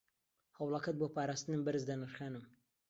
هەوڵەکەت بۆ پاراستنم بەرز دەنرخێنم.